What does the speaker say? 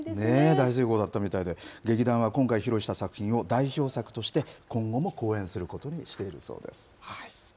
大成功だったみたいで、劇団は今回披露した作品を代表作として、今後も公演することにしているそうです。